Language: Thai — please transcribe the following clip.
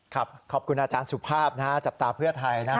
ขอบคุณอาจารย์สุภาพนะฮะจับตาเพื่อไทยนะ